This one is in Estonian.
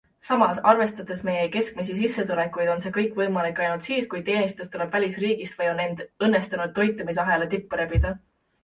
Samas arvestades meie keskmisi sissetulekuid on see kõik võimalik ainult siis, kui teenistus tuleb välisriigist või on end õnnestunud toitumisahela tippu rebida.